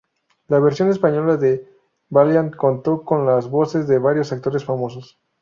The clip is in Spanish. La versión española de Valiant contó con las voces de varios actores famosos.